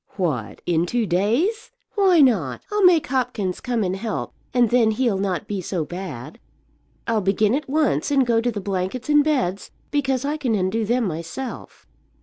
"What! in two days?" "Why not? I'll make Hopkins come and help, and then he'll not be so bad. I'll begin at once and go to the blankets and beds, because I can undo them myself."